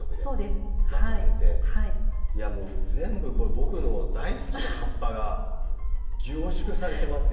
いやもう全部僕の大好きな葉っぱが凝縮されてますよ。